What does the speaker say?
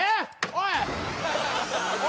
おい！